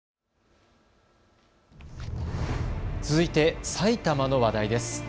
続いて埼玉の話題です。